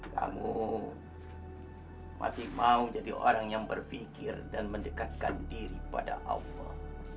kamu masih mau jadi orang yang berpikir dan mendekatkan diri pada allah